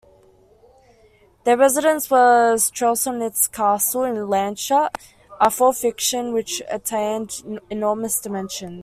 Their residence was Trausnitz Castle in Landshut, a fortification which attained enormous dimensions.